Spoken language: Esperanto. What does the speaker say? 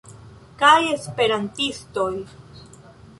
kaj esperantistoj.